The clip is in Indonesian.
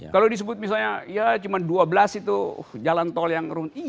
kalau disebut misalnya ya cuma dua belas itu jalan tol yang roone